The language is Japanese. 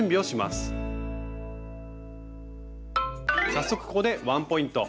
早速ここでワンポイント。